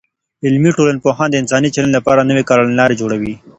عملي ټولنپوهان د انساني چلند لپاره نوې کړنلارې جوړوي.